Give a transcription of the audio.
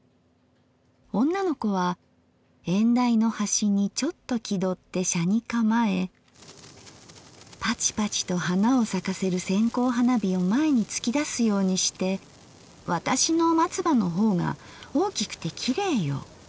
女の子は縁台の端にちょっと気取って斜にかまえパチパチと花を咲かせる線香花火を前につき出すようにして『私の松葉の方が大きくてきれいよ』